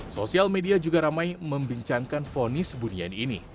sosial media juga ramai membincangkan fonis buniani ini